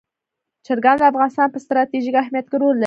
چرګان د افغانستان په ستراتیژیک اهمیت کې رول لري.